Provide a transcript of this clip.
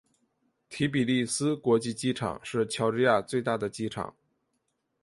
提比利斯国际机场是乔治亚最大的机场。